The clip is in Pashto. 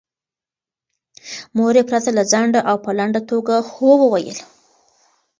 مور یې پرته له ځنډه او په لنډه توګه هو وویل.